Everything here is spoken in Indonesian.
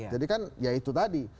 jadi kan ya itu tadi